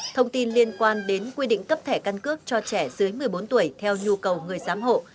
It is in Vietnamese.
thông tin liên quan đến quy định cấp thẻ căn cước cho trẻ dưới một mươi bốn tuổi theo nhu cầu người giám hộ